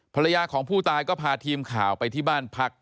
ภรรยาของผู้ตายก็พาทีมข่าวไปที่บ้านพัก